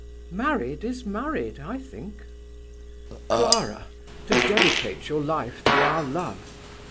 "Married is married, I think." "Clara! to dedicate your life to our love!